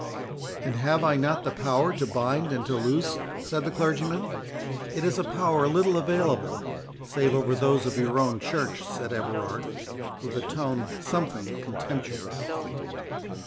"And have I not the power to bind and to loose?" said the clergyman. "It is a power little available, save over those of your own Church," said Everard, with a tone something contemptuous.